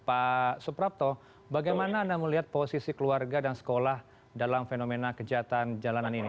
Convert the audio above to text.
pak suprapto bagaimana anda melihat posisi keluarga dan sekolah dalam fenomena kejahatan jalanan ini